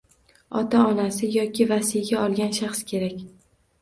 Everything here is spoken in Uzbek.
Ota-onasi yoki vasiyga olgan shaxs kerak.